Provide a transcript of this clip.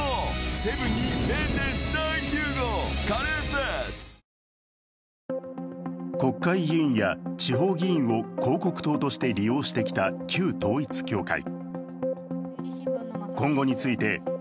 「東芝」国会議員や地方議員を広告塔として利用してきた旧統一教会。